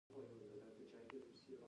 رقیب زما د زړورتیا آزموینه ده